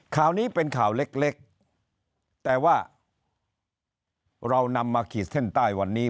ข่าวนี้เป็นข่าวเล็กแต่ว่าเรานำมาขีดเส้นใต้วันนี้